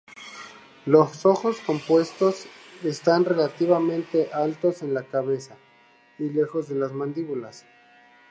Los ojos compuestos están relativamente altos en la cabeza y lejos de las mandíbulas.